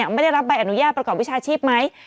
ไม่ได้รับใบอนุญาตประกอบวิชาชีพไหม